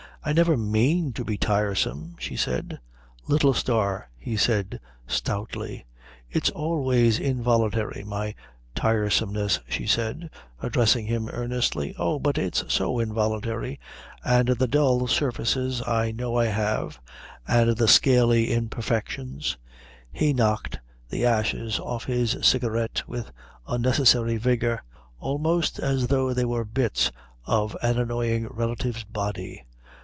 "I never mean to be tiresome," she said. "Little star," he said stoutly. "It's always involuntary, my tiresomeness," she said, addressing him earnestly. "Oh, but it's so involuntary and the dull surfaces I know I have, and the scaly imperfections " He knocked the ashes off his cigarette with unnecessary vigour, almost as though they were bits of an annoying relative's body.